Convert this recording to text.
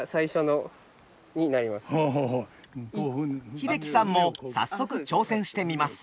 英樹さんも早速挑戦してみます。